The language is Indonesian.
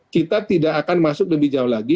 kita tidak akan masuk lebih jauh lagi